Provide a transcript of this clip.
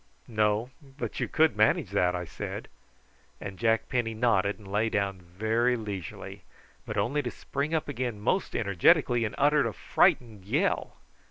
"No, but you could manage that," I said; and Jack Penny nodded and lay down very leisurely, but only to spring up again most energetically and uttering a frightened yell.